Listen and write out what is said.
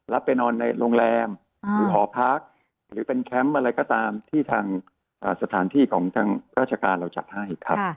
ไปนอนในโรงแรมหรือหอพักหรือเป็นแคมป์อะไรก็ตามที่ทางสถานที่ของทางราชการเราจัดให้ครับ